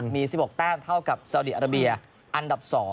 มี๑๖แต้มเท่ากับสาวดีอาราเบียอันดับ๒